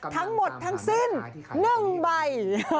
ทั้งหมดทั้งสิ้น๑ใบ